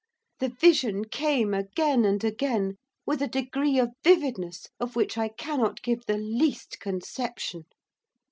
The vision came again and again with a degree of vividness of which I cannot give the least conception.